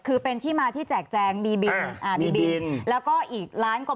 คือเป็นที่มาที่แจกแจงมีบินอ่ามีบินแล้วก็อีกล้านกว่า